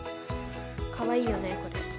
かわいいよねこれ。